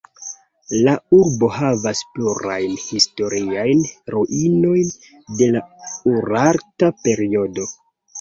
La urbo havas plurajn historiajn ruinojn de la urarta periodo.